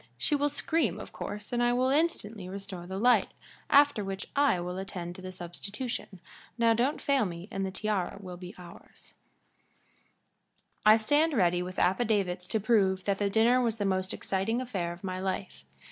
She will scream, of course, and I will instantly restore the light, after which I will attend to the substitution. Now don't fail me and the tiara will be ours." [Illustration: "ALL WAS AS HENRIETTE HAD FORETOLD"] I stand ready with affidavits to prove that that dinner was the most exciting affair of my life.